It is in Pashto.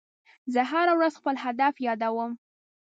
زه هره ورځ خپل هدف یادوم.